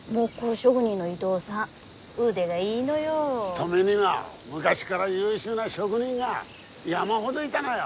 登米には昔から優秀な職人が山ほどいだのよ。